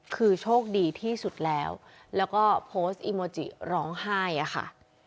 คือโชคดีที่สุดแล้วแล้วก็โพสต์อีโมจิร้องไห้อะค่ะ